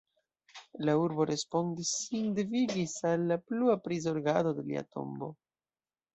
La urbo responde sin devigis al la plua prizorgado de lia tombo.